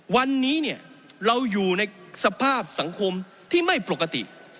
วันนี้เนี่ยเราอยู่ในสภาพสังคมที่ไม่ปกติ